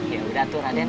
ya udah atu raden